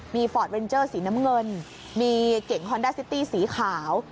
มีฟอร์ดเวนเจอร์สีน้ำเงินมีเก่งฮอนดาซิตี้สีขาว